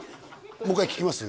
もう一回聞きます？